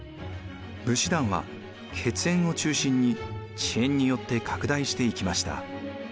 武士団は血縁を中心に地縁によって拡大していきました。